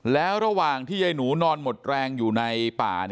แล้วระหว่างที่ยายหนูนอนหมดแรงอยู่ในป่า